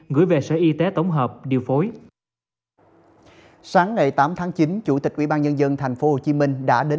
gửi về sở y tế tổng hợp điều phối